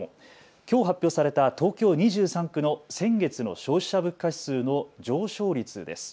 きょう発表された東京２３区の先月の消費者物価指数の上昇率です。